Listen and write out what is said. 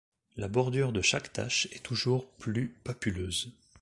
La bordure de chaque tache est toujours plus papuleuse.